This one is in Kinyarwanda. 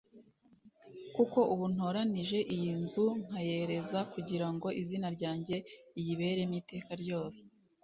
kuko ubu ntoranije iyi nzu nkayereza kugira ngo izina ryanjye riyiberemo iteka ryose